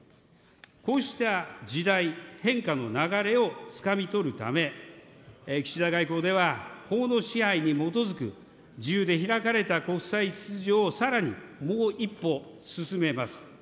こうした時代、変化の流れをつかみ取るため、岸田外交では、法の支配に基づく自由で開かれた国際秩序をさらにもう一歩進めます。